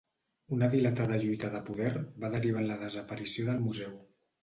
Una dilatada lluita de poder va derivar en la desaparició del museu.